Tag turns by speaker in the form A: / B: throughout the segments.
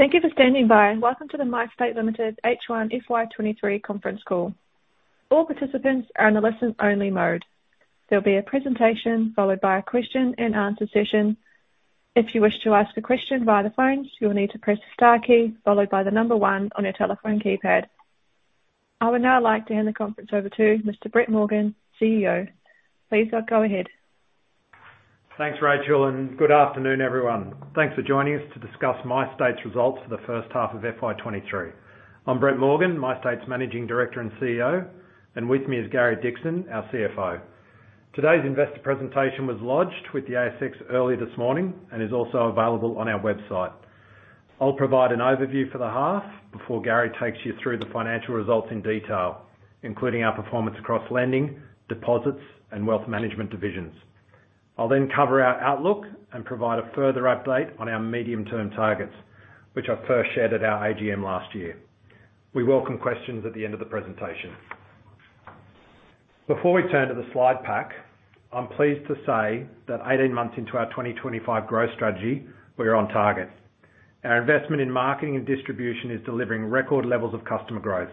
A: Thank you for standing by. Welcome to the MyState Limited H1 FY23 conference call. All participants are in a listen only mode. There'll be a presentation followed by a question and answer session. If you wish to ask a question via the phone, you will need to press star key followed by the 1 on your telephone keypad. I would now like to hand the conference over to Mr. Brett Morgan, CEO. Please, go ahead.
B: Thanks, Rachel. Good afternoon, everyone. Thanks for joining us to discuss MyState's results for the first half of FY 2023. I'm Brett Morgan, MyState's Managing Director and CEO. With me is Gary Dickson, our CFO. Today's investor presentation was lodged with the ASX earlier this morning and is also available on our website. I'll provide an overview for the half before Gary takes you through the financial results in detail, including our performance across lending, deposits, and wealth management divisions. I'll cover our outlook and provide a further update on our medium-term targets, which I first shared at our AGM last year. We welcome questions at the end of the presentation. Before we turn to the slide pack, I'm pleased to say that 18 months into our 2025 growth strategy, we are on target. Our investment in marketing and distribution is delivering record levels of customer growth.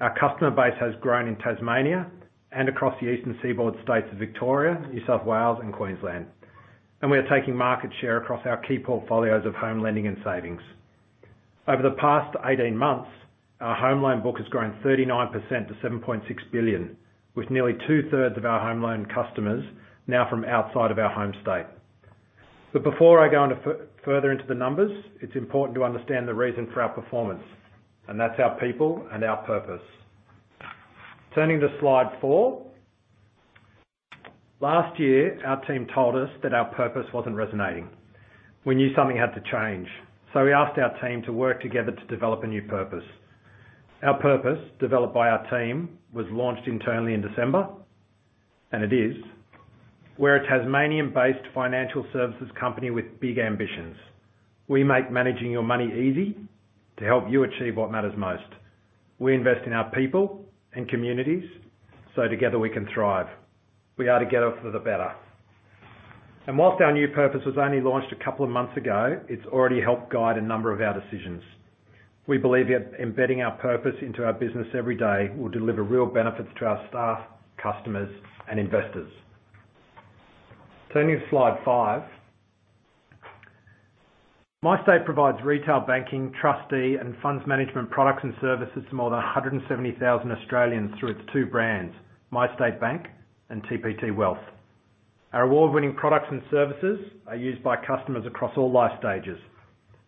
B: Our customer base has grown in Tasmania and across the eastern seaboard states of Victoria, New South Wales, and Queensland. We are taking market share across our key portfolios of home lending and savings. Over the past 18 months, our home loan book has grown 39% to 7.6 billion, with nearly two-thirds of our home loan customers now from outside of our home state. Before I go further into the numbers, it's important to understand the reason for our performance, and that's our people and our purpose. Turning to slide four. Last year, our team told us that our purpose wasn't resonating. We knew something had to change, so we asked our team to work together to develop a new purpose. Our purpose, developed by our team, was launched internally in December. It is: We're a Tasmanian-based financial services company with big ambitions. We make managing your money easy to help you achieve what matters most. We invest in our people and communities. Together we can thrive. We are together for the better. Whilst our new purpose was only launched a couple of months ago, it's already helped guide a number of our decisions. We believe that embedding our purpose into our business every day will deliver real benefits to our staff, customers, and investors. Turning to slide five. MyState provides retail banking, trustee, and funds management products and services to more than 170,000 Australians through its two brands, MyState Bank and TPT Wealth. Our award-winning products and services are used by customers across all life stages,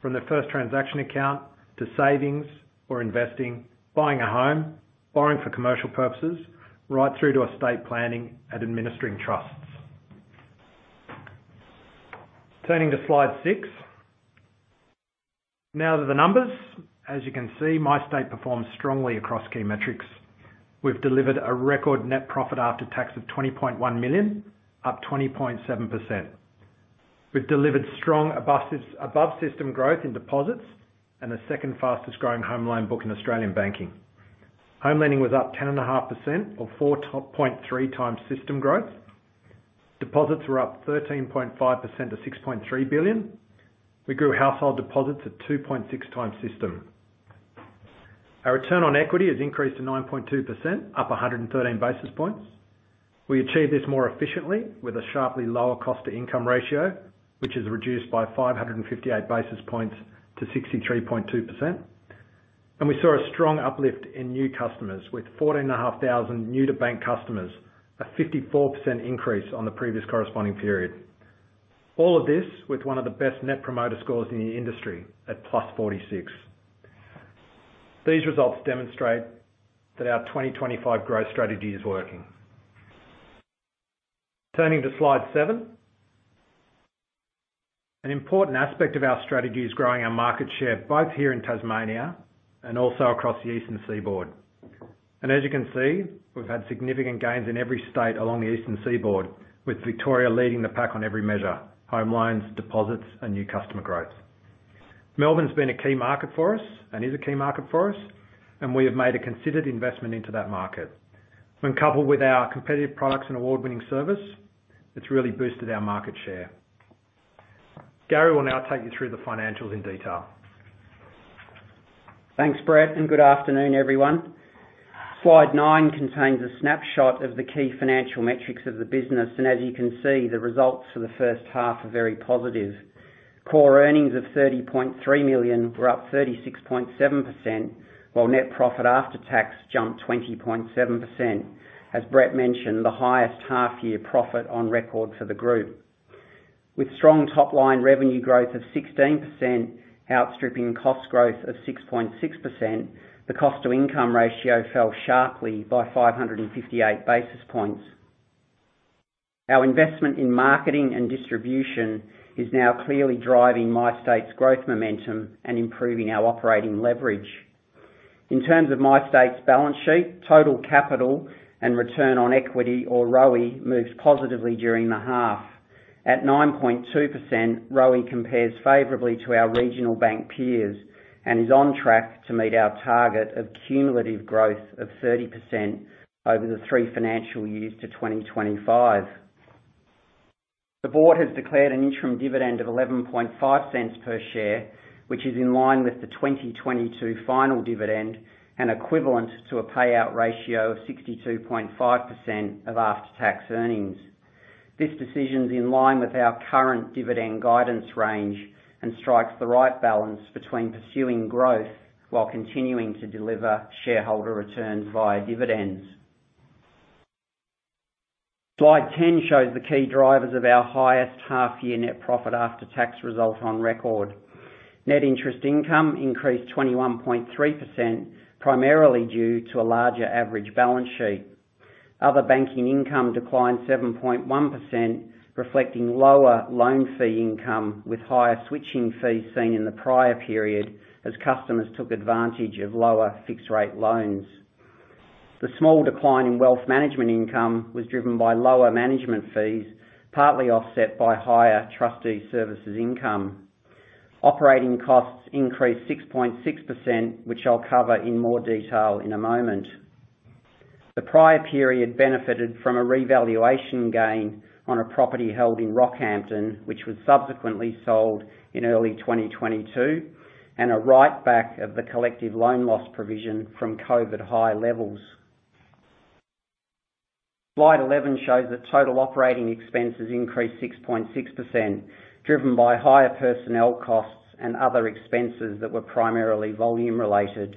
B: from their first transaction account to savings or investing, buying a home, borrowing for commercial purposes, right through to estate planning and administering trusts. Turning to slide 6. Now to the numbers. As you can see, MyState performs strongly across key metrics. We've delivered a record net profit after tax of 20.1 million, up 20.7%. We've delivered strong above system growth in deposits and the second fastest growing home loan book in Australian banking. Home lending was up 10.5% or 4.3 times system growth. Deposits were up 13.5% to 6.3 billion. We grew household deposits at 2.6 times system. Our return on equity has increased to 9.2%, up 113 basis points. We achieved this more efficiently with a sharply lower cost-to-income ratio, which is reduced by 558 basis points to 63.2%. We saw a strong uplift in new customers with 14 and a half thousand new to bank customers, a 54% increase on the previous corresponding period. All of this with one of the best Net Promoter Scores in the industry at +46. These results demonstrate that our 2025 growth strategy is working. Turning to slide 7. An important aspect of our strategy is growing our market share, both here in Tasmania and also across the eastern seaboard. As you can see, we've had significant gains in every state along the eastern seaboard, with Victoria leading the pack on every measure, home loans, deposits, and new customer growth. Melbourne's been a key market for us and is a key market for us, and we have made a considered investment into that market. When coupled with our competitive products and award-winning service, it's really boosted our market share. Gary will now take you through the financials in detail.
C: Thanks, Brett. Good afternoon, everyone. Slide 9 contains a snapshot of the key financial metrics of the business. As you can see, the results for the first half are very positive. Core earnings of 30.3 million were up 36.7%, while net profit after tax jumped 20.7%. As Brett mentioned, the highest half-year profit on record for the group. With strong top line revenue growth of 16% outstripping cost growth of 6.6%, the cost-to-income ratio fell sharply by 558 basis points. Our investment in marketing and distribution is now clearly driving MyState's growth momentum and improving our operating leverage. In terms of MyState's balance sheet, total capital and return on equity, or ROE, moves positively during the half. At 9.2%, ROE compares favorably to our regional bank peers and is on track to meet our target of cumulative growth of 30% over the 3 financial years to 2025. The board has declared an interim dividend of 0.115 per share, which is in line with the 2022 final dividend and equivalent to a payout ratio of 62.5% of after-tax earnings. This decision is in line with our current dividend guidance range and strikes the right balance between pursuing growth while continuing to deliver shareholder returns via dividends. Slide 10 shows the key drivers of our highest half-year net profit after tax result on record. Net interest income increased 21.3%, primarily due to a larger average balance sheet. Other banking income declined 7.1%, reflecting lower loan fee income, with higher switching fees seen in the prior period as customers took advantage of lower fixed rate loans. The small decline in wealth management income was driven by lower management fees, partly offset by higher trustee services income. Operating costs increased 6.6%, which I'll cover in more detail in a moment. The prior period benefited from a revaluation gain on a property held in Rockhampton, which was subsequently sold in early 2022, and a write back of the collective loan loss provision from COVID high levels. Slide 11 shows that total operating expenses increased 6.6%, driven by higher personnel costs and other expenses that were primarily volume related.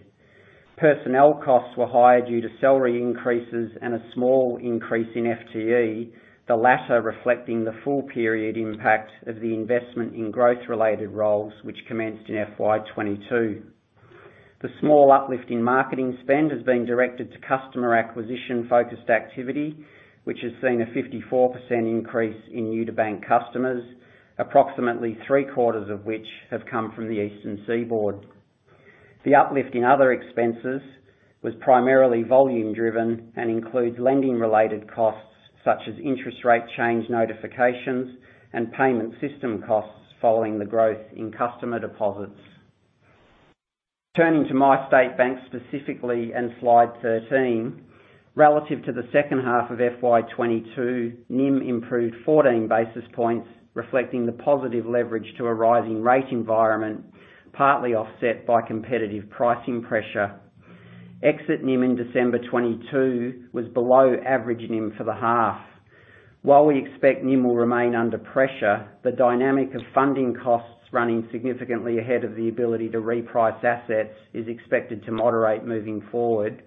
C: Personnel costs were higher due to salary increases and a small increase in FTE, the latter reflecting the full period impact of the investment in growth-related roles, which commenced in FY 2022. The small uplift in marketing spend has been directed to customer acquisition focused activity, which has seen a 54% increase in new to bank customers, approximately three quarters of which have come from the eastern seaboard. The uplift in other expenses was primarily volume driven and includes lending related costs such as interest rate change notifications and payment system costs following the growth in customer deposits. Turning to MyState Bank specifically, and slide 13, relative to the second half of FY 2022, NIM improved 14 basis points, reflecting the positive leverage to a rising rate environment, partly offset by competitive pricing pressure. Exit NIM in December 2022 was below average NIM for the half. While we expect NIM will remain under pressure, the dynamic of funding costs running significantly ahead of the ability to reprice assets is expected to moderate moving forward.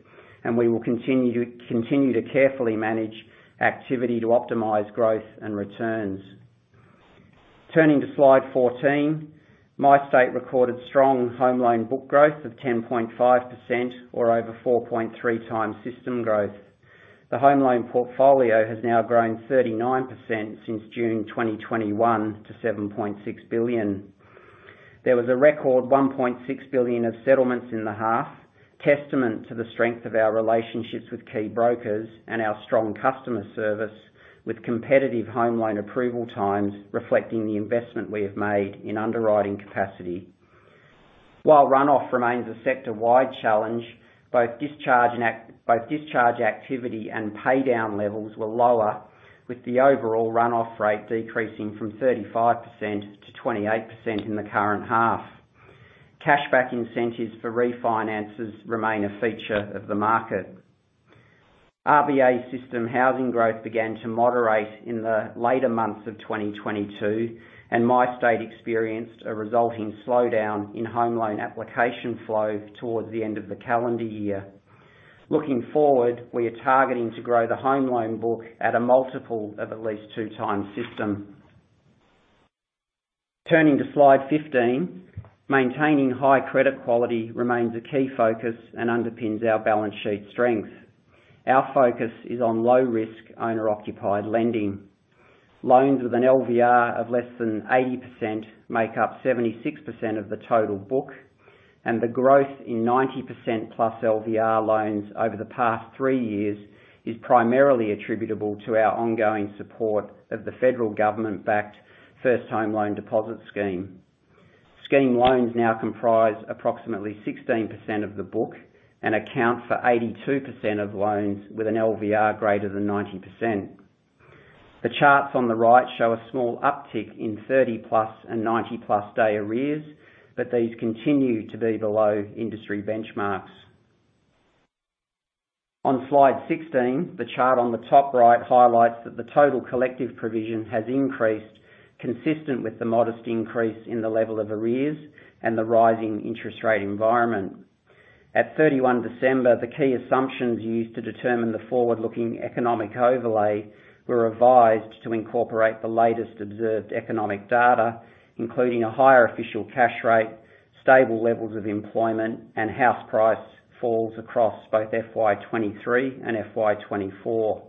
C: We will continue to carefully manage activity to optimize growth and returns. Turning to slide 14. MyState recorded strong home loan book growth of 10.5% or over 4.3 times system growth. The home loan portfolio has now grown 39% since June 2021 to 7.6 billion. There was a record 1.6 billion of settlements in the half, testament to the strength of our relationships with key brokers and our strong customer service, with competitive home loan approval times reflecting the investment we have made in underwriting capacity. While runoff remains a sector-wide challenge, both discharge activity and pay down levels were lower, with the overall runoff rate decreasing from 35% to 28% in the current half. Cashback incentives for refinances remain a feature of the market. RBA system housing growth began to moderate in the later months of 2022. MyState experienced a resulting slowdown in home loan application flow towards the end of the calendar year. Looking forward, we are targeting to grow the home loan book at a multiple of at least two times system. Turning to slide 15. Maintaining high credit quality remains a key focus and underpins our balance sheet strength. Our focus is on low risk owner-occupied lending. Loans with an LVR of less than 80% make up 76% of the total book, and the growth in 90% plus LVR loans over the past 3 years is primarily attributable to our ongoing support of the federal government backed First Home Loan Deposit Scheme. Scheme loans now comprise approximately 16% of the book and account for 82% of loans, with an LVR greater than 90%. The charts on the right show a small uptick in 30 plus and 90 plus day arrears, but these continue to be below industry benchmarks. On slide 16, the chart on the top right highlights that the total collective provision has increased, consistent with the modest increase in the level of arrears and the rising interest rate environment. At 31 December, the key assumptions used to determine the forward-looking economic overlay were revised to incorporate the latest observed economic data, including a higher official cash rate, stable levels of employment, and house price falls across both FY 2023 and FY 2024.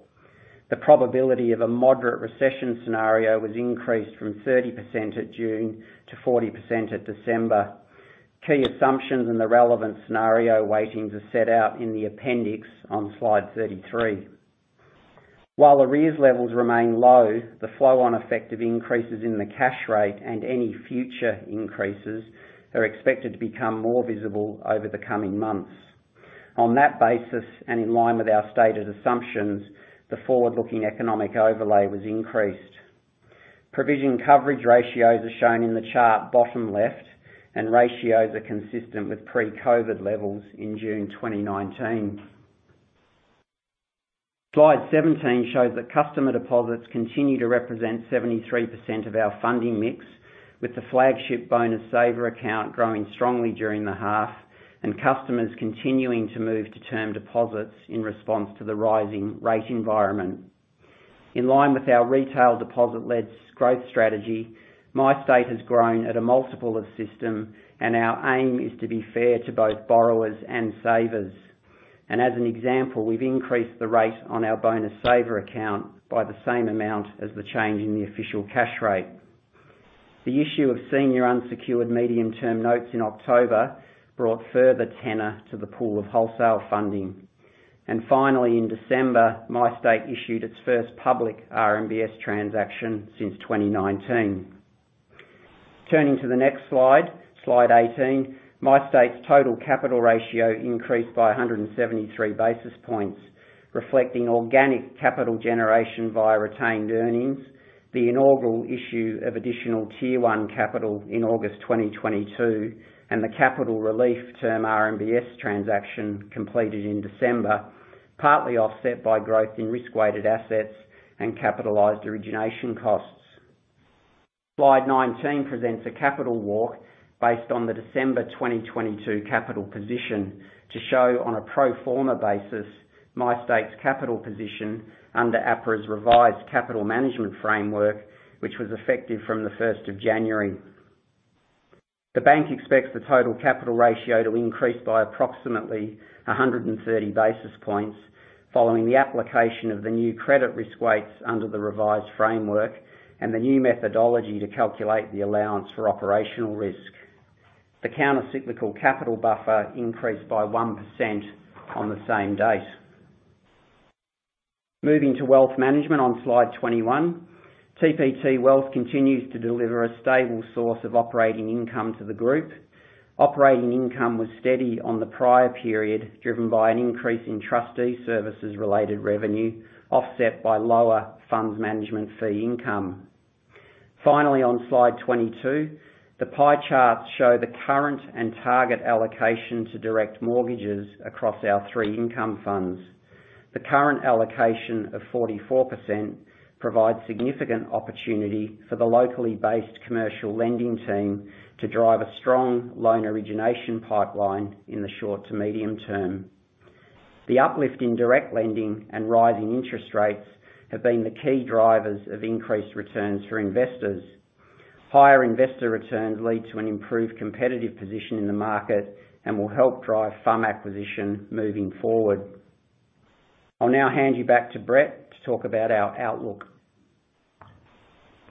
C: The probability of a moderate recession scenario was increased from 30% at June to 40% at December. Key assumptions in the relevant scenario weighting to set out in the appendix on slide 33. While arrears levels remain low, the flow-on effect of increases in the cash rate and any future increases are expected to become more visible over the coming months. On that basis, and in line with our stated assumptions, the forward-looking economic overlay was increased. Provision coverage ratios are shown in the chart bottom left, ratios are consistent with pre-COVID levels in June 2019. Slide 17 shows that customer deposits continue to represent 73% of our funding mix, with the flagship Bonus Saver account growing strongly during the half and customers continuing to move to Term Deposits in response to the rising rate environment. In line with our retail deposit led growth strategy, MyState has grown at a multiple of system and our aim is to be fair to both borrowers and savers. As an example, we've increased the rate on our Bonus Saver account by the same amount as the change in the official cash rate. The issue of senior unsecured medium-term notes in October brought further tenor to the pool of wholesale funding. Finally, in December, MyState issued its first public RMBS transaction since 2019. Turning to the next slide 18. MyState's total capital ratio increased by 173 basis points, reflecting organic capital generation via retained earnings, the inaugural issue of Additional Tier 1 capital in August 2022, and the capital relief term RMBS transaction completed in December, partly offset by growth in risk-weighted assets and capitalized origination costs. Slide 19 presents a capital walk based on the December 2022 capital position to show, on a pro forma basis, MyState's capital position under APRA's revised capital management framework, which was effective from the first of January. The bank expects the total capital ratio to increase by approximately 130 basis points following the application of the new credit risk weights under the revised framework and the new methodology to calculate the allowance for operational risk. The countercyclical capital buffer increased by 1% on the same date. Moving to wealth management on slide 21. TPT Wealth continues to deliver a stable source of operating income to the group. Operating income was steady on the prior period, driven by an increase in trustee services related revenue, offset by lower funds management fee income. On slide 22, the pie charts show the current and target allocation to direct mortgages across our 3 income funds. The current allocation of 44% provides significant opportunity for the locally based commercial lending team to drive a strong loan origination pipeline in the short to medium term. The uplift in direct lending and rising interest rates have been the key drivers of increased returns for investors. Higher investor returns lead to an improved competitive position in the market and will help drive FUM acquisition moving forward. I'll now hand you back to Brett to talk about our outlook.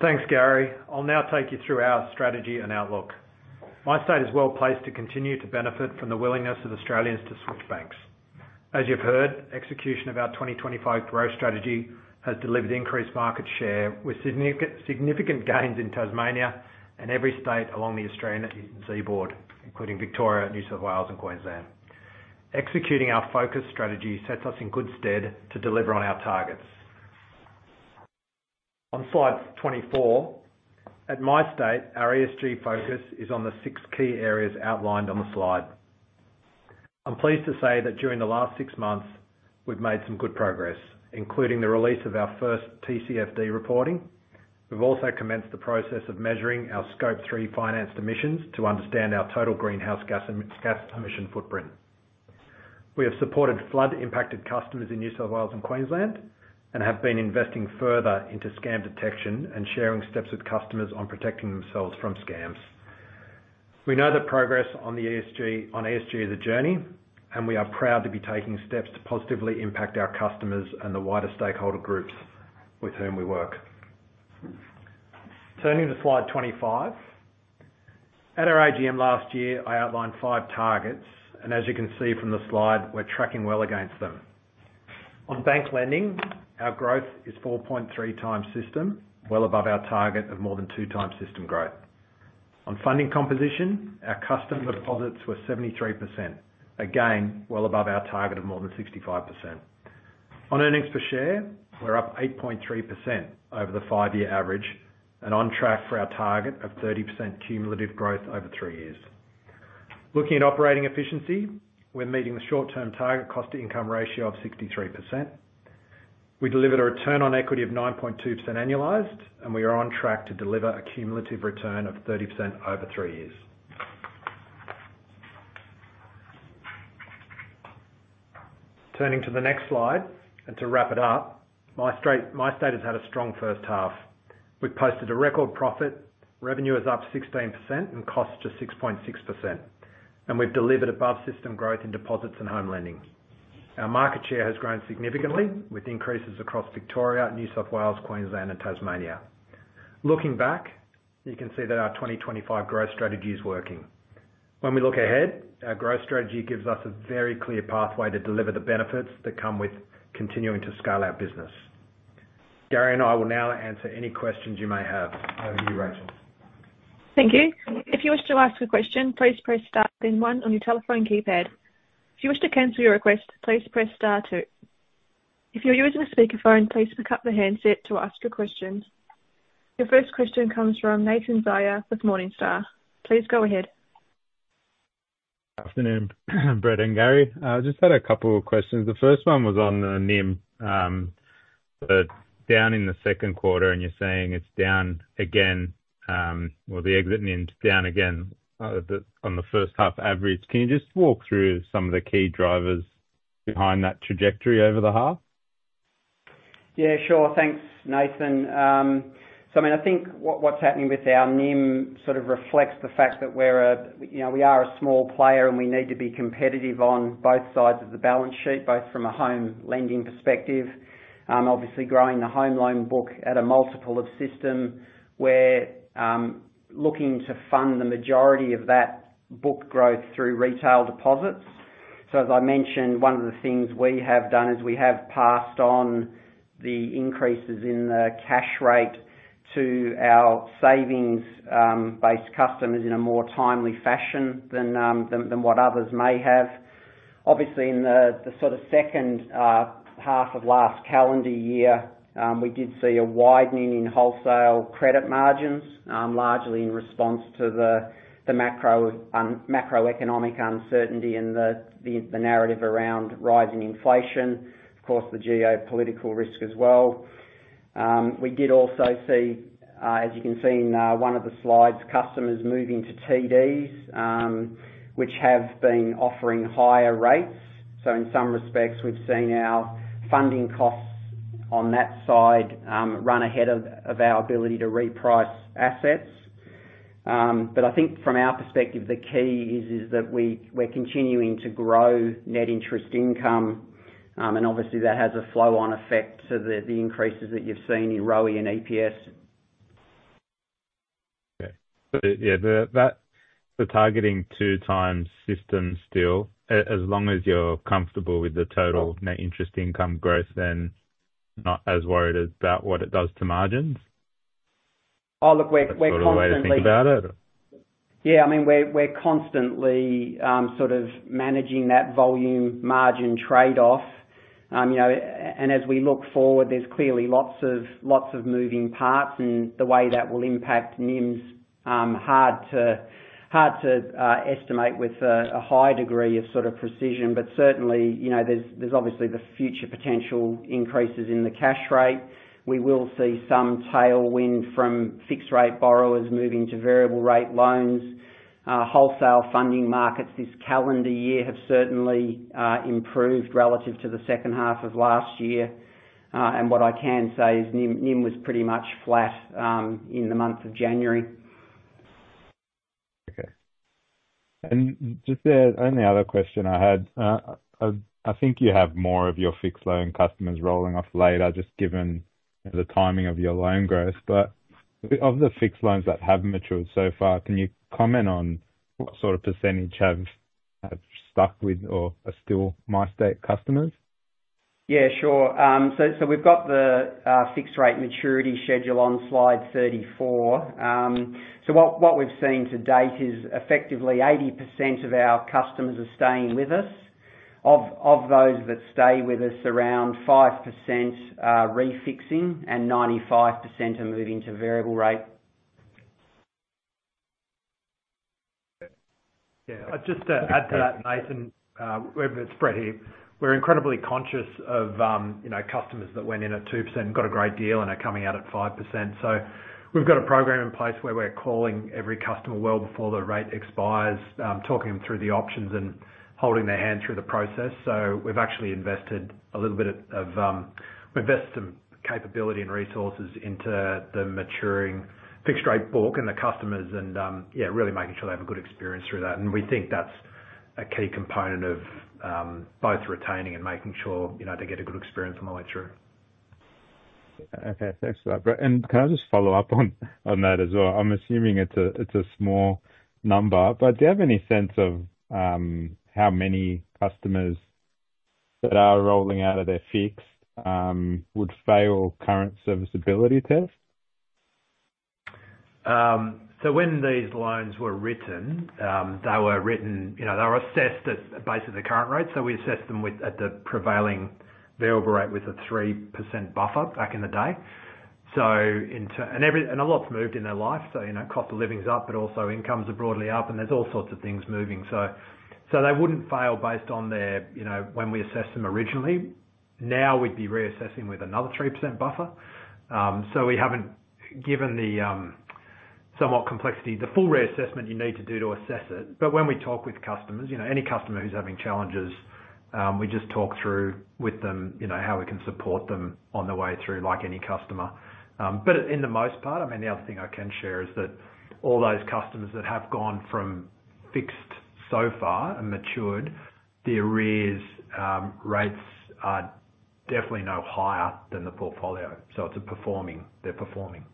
B: Thanks, Gary. I'll now take you through our strategy and outlook. MyState is well placed to continue to benefit from the willingness of Australians to switch banks. As you've heard, execution of our 2025 growth strategy has delivered increased market share with significant gains in Tasmania and every state along the Australian seaboard, including Victoria, New South Wales, and Queensland. Executing our focus strategy sets us in good stead to deliver on our targets. On slide 24, at MyState, our ESG focus is on the six key areas outlined on the slide. I'm pleased to say that during the last six months, we've made some good progress, including the release of our first TCFD reporting. We've also commenced the process of measuring our Scope 3 financed emissions to understand our total greenhouse gas emission footprint. We have supported flood-impacted customers in New South Wales and Queensland, and have been investing further into scam detection and sharing steps with customers on protecting themselves from scams. We know that progress on ESG is a journey. We are proud to be taking steps to positively impact our customers and the wider stakeholder groups with whom we work. Turning to slide 25. At our AGM last year, I outlined five targets. As you can see from the slide, we're tracking well against them. On bank lending, our growth is 4.3x system, well above our target of more than 2x system growth. On funding composition, our customer deposits were 73%. Again, well above our target of more than 65%. On earnings per share, we're up 8.3 over the 5-year average and on track for our target of 30% cumulative growth over three years. Looking at operating efficiency, we're meeting the short-term target cost-to-income ratio of 63%. We delivered a return on equity of 9.2% annualized. We are on track to deliver a cumulative return of 30% over three years. Turning to the next slide and to wrap it up, MyState has had a strong first half. We've posted a record profit, revenue is up 16% and cost to 6.6%. We've delivered above-system growth in deposits and home lending. Our market share has grown significantly with increases across Victoria, New South Wales, Queensland, and Tasmania. Looking back, you can see that our 2025 growth strategy is working. When we look ahead, our growth strategy gives us a very clear pathway to deliver the benefits that come with continuing to scale our business. Gary and I will now answer any questions you may have. Over to you, Rachel.
A: Thank you. If you wish to ask a question, please press star then one on your telephone keypad. If you wish to cancel your request, please press star two. If you're using a speakerphone, please pick up the handset to ask your questions. Your first question comes from Nathan Zaia with Morningstar. Please go ahead.
D: Afternoon, Brett and Gary. I just had a couple of questions. The first one was on the NIM. Down in the second quarter, and you're saying it's down again, or the exit NIM's down again, on the first half average. Can you just walk through some of the key drivers behind that trajectory over the half?
C: Yeah, sure. Thanks, Nathan. I mean, I think what's happening with our NIM sort of reflects the fact that, you know, we are a small player, and we need to be competitive on both sides of the balance sheet, both from a home lending perspective. Obviously growing the home loan book at a multiple of system, we're looking to fund the majority of that book growth through retail deposits. As I mentioned, one of the things we have done is we have passed on the increases in the cash rate to our savings-based customers in a more timely fashion than what others may have. Obviously, in the sort of second half of last calendar year, we did see a widening in wholesale credit margins, largely in response to the macro macroeconomic uncertainty and the narrative around rising inflation. Of course, the geopolitical risk as well. We did also see, as you can see in one of the slides, customers moving to TDs, which have been offering higher rates. In some respects, we've seen our funding costs on that side, run ahead of our ability to reprice assets. I think from our perspective the key is that we're continuing to grow net interest income. Obviously that has a flow on effect to the increases that you've seen in ROE and EPS.
D: Targeting 2 times system still, as long as you're comfortable with the total Net Interest Income growth, then not as worried about what it does to margins?
C: Oh, look, we're...
D: That's sort of the way to think about it?
C: Yeah. I mean, we're constantly sort of managing that volume margin trade-off. You know, as we look forward, there's clearly lots of moving parts and the way that will impact NIMs, hard to estimate with a high degree of sort of precision. Certainly, you know, there's obviously the future potential increases in the cash rate. We will see some tailwind from fixed rate borrowers moving to variable rate loans. Wholesale funding markets this calendar year have certainly improved relative to the second half of last year. What I can say is NIM was pretty much flat in the month of January.
D: Okay. Just the only other question I had, I think you have more of your fixed loan customers rolling off later, just given the timing of your loan growth. Of the fixed loans that have matured so far, can you comment on what sort of percentage have stuck with or are still MyState customers?
C: Yeah, sure. We've got the fixed rate maturity schedule on slide 34. What we've seen to date is effectively 80% of our customers are staying with us. Of those that stay with us, around 5% are refixing and 95% are moving to variable rate.
D: Yeah.
B: Yeah. Just to add to that, Nathan, it's Brett here. We're incredibly conscious of, you know, customers that went in at 2% and got a great deal and are coming out at 5%. We've got a program in place where we're calling every customer well before the rate expires, talking them through the options and holding their hand through the process. We've actually invested a little bit of, we invest some capability and resources into the maturing fixed rate book and the customers and, yeah, really making sure they have a good experience through that. We think that's a key component of both retaining and making sure, you know, they get a good experience on the way through.
D: Okay. Thanks for that, Brett. Can I just follow up on that as well? I'm assuming it's a small number, but do you have any sense of how many customers that are rolling out of their fixed would fail current serviceability test?
B: When these loans were written, they were written, you know, they were assessed at based on the current rate. We assessed them with, at the prevailing variable rate with a 3% buffer back in the day. And a lot's moved in their life, you know, cost of living is up, but also incomes are broadly up, and there's all sorts of things moving. They wouldn't fail based on their, you know, when we assessed them originally. Now we'd be reassessing with another 3% buffer. We haven't given the, somewhat complexity, the full reassessment you need to do to assess it. When we talk with customers, you know, any customer who's having challenges, we just talk through with them, you know, how we can support them on the way through, like any customer. In the most part, I mean, the other thing I can share is that all those customers that have gone from fixed so far and matured, the arrears, rates are definitely no higher than the portfolio. It's a performing. They're performing.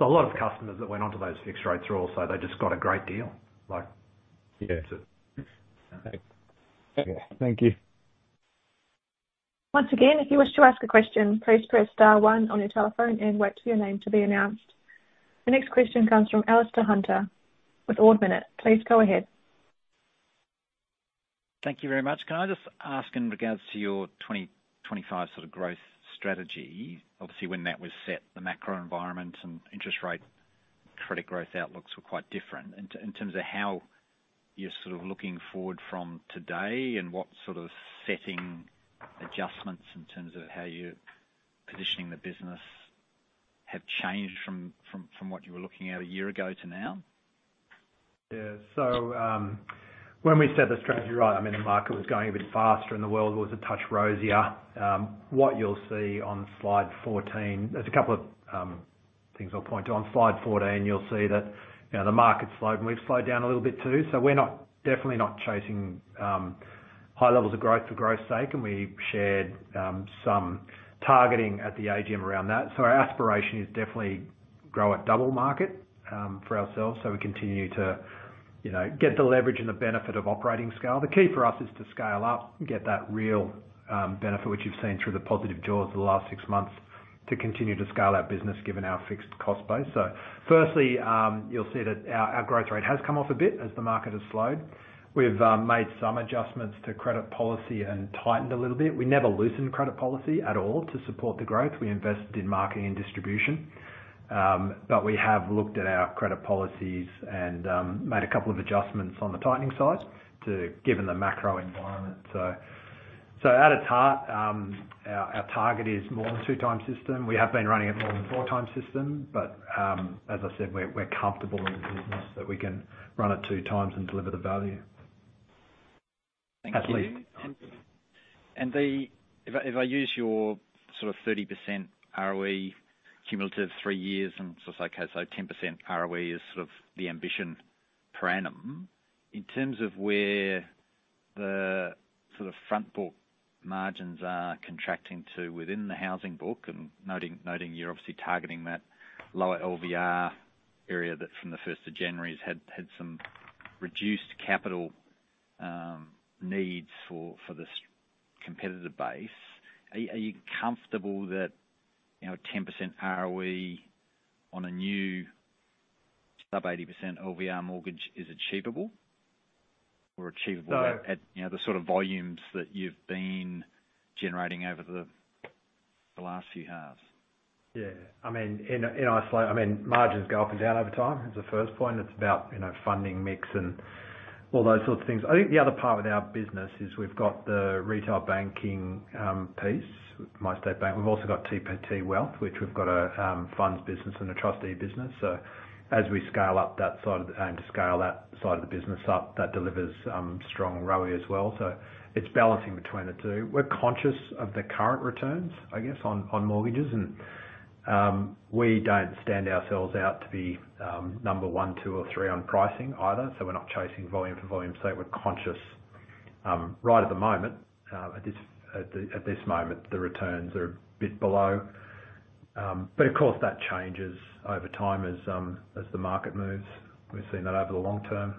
B: A lot of customers that went on to those fixed rates are also, they just got a great deal.
D: Yeah.
B: That's it.
D: Okay. Thank you.
A: Once again, if you wish to ask a question, please press star 1 on your telephone and wait for your name to be announced. The next question comes from Alastair Hunter with Ord Minnett. Please go ahead.
E: Thank you very much. Can I just ask in regards to your 2025 sort of growth strategy? Obviously, when that was set, the macro environment and interest rate credit growth outlooks were quite different. In terms of how you're sort of looking forward from today and what sort of setting adjustments in terms of how you're positioning the business have changed from what you were looking at a year ago to now?
B: Yeah. When we set the strategy right, I mean, the market was going a bit faster and the world was a touch rosier. What you'll see on slide 14. There's a couple of things I'll point to. On slide 14, you'll see that, you know, the market's slowed, and we've slowed down a little bit too, so we're not, definitely not chasing high levels of growth for growth's sake. We shared some targeting at the AGM around that. Our aspiration is definitely grow at double market for ourselves, so we continue to, you know, get the leverage and the benefit of operating scale. The key for us is to scale up and get that real benefit, which you've seen through the positive jaws the last 6 months to continue to scale our business given our fixed cost base. Firstly, you'll see that our growth rate has come off a bit as the market has slowed. We've made some adjustments to credit policy and tightened a little bit. We never loosened credit policy at all to support the growth. We invested in marketing and distribution. We have looked at our credit policies and made a couple of adjustments on the tightening side given the macro environment. At its heart, our target is more than 2 times system. We have been running at more than 4 times system, but as I said, we're comfortable in the business that we can run at 2 times and deliver the value.
E: Thank you.
B: At least.
E: If I use your sort of 30% ROE cumulative 3 years, it's okay, so 10% ROE is sort of the ambition per annum. In terms of where the sort of front book margins are contracting to within the housing book and noting you're obviously targeting that lower LVR area that from the 1st of January has had some reduced capital needs for this competitive base, are you comfortable that, you know, a 10% ROE on a new sub 80% LVR mortgage is achievable or achievable?
B: So-
E: At, you know, the sort of volumes that you've been generating over the last few halves?
B: Yeah. I mean, in isolate, I mean, margins go up and down over time. That's the first point. It's about, you know, funding mix and all those sorts of things. I think the other part with our business is we've got the retail banking piece, MyState Bank. We've also got TPT Wealth, which we've got a funds business and a trustee business. As we aim to scale that side of the business up, that delivers strong ROE as well. It's balancing between the two. We're conscious of the current returns, I guess, on mortgages and we don't stand ourselves out to be number one, two, or three on pricing either. We're not chasing volume for volume's sake. We're conscious, right at the moment, at this moment, the returns are a bit below. Of course that changes over time as the market moves. We've seen that over the long term.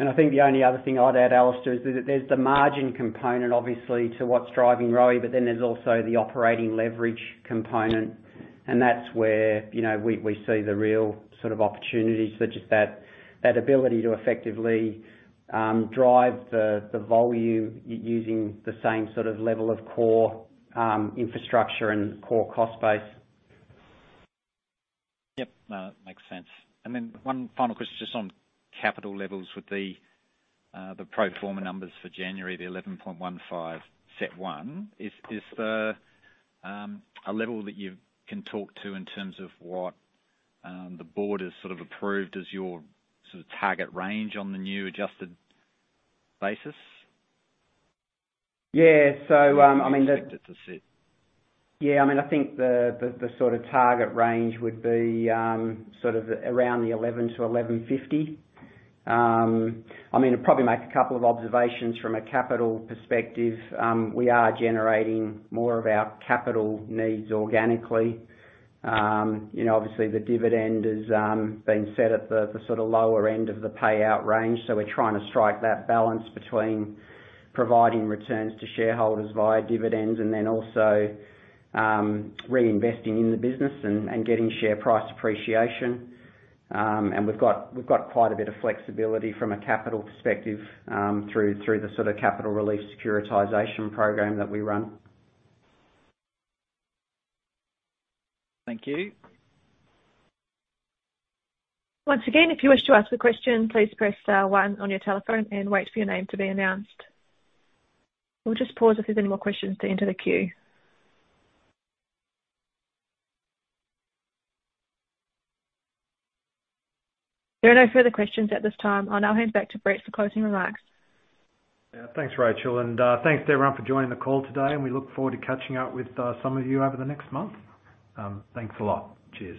C: I think the only other thing I'd add, Alastair, is that there's the margin component obviously to what's driving ROE, there's also the operating leverage component. That's where, you know, we see the real sort of opportunities, which is that ability to effectively drive the volume using the same sort of level of core infrastructure and core cost base.
E: Yep. No, that makes sense. One final question just on capital levels with the pro forma numbers for January, the 11.15 CET1. Is there a level that you can talk to in terms of what the board has sort of approved as your sort of target range on the new adjusted basis?
C: Yeah. I mean.
E: Expected to sit.
C: Yeah, I mean, I think the sort of target range would be, sort of around the 11 to 11.50. I mean, I'd probably make a couple of observations from a capital perspective. We are generating more of our capital needs organically. You know, obviously, the dividend has been set at the sort of lower end of the payout range. We're trying to strike that balance between providing returns to shareholders via dividends and also reinvesting in the business and getting share price appreciation. We've got quite a bit of flexibility from a capital perspective through the sort of capital relief securitization program that we run.
E: Thank you.
A: Once again, if you wish to ask a question, please press star 1 on your telephone and wait for your name to be announced. We'll just pause if there's any more questions to enter the queue. There are no further questions at this time. I'll now hand back to Brett for closing remarks.
B: Yeah. Thanks, Rachel. Thanks everyone for joining the call today, and we look forward to catching up with, some of you over the next month. Thanks a lot. Cheers.